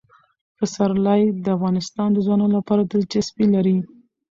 پسرلی د افغان ځوانانو لپاره دلچسپي لري.